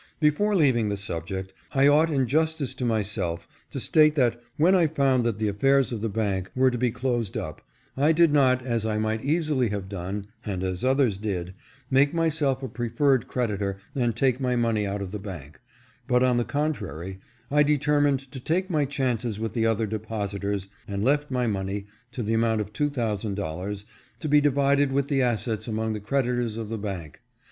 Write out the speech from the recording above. Before leaving the subject 1 ought in justice to myself to state that, when I found that the affairs of the bank were to be closed up, I did not, as I might easily have done, and as others did, make myself a preferred creditor and take my money out of the bank, but on the contrary, I determined to take my chances with the other deposi tors, and left my money, to the amount of two thousand dollars, to be divided with the assets among the creditors of the bank.